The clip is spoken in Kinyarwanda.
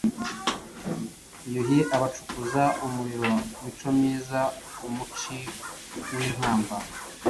Yuhi abacukuza umuriro.micomyiza umuci w’inkamba,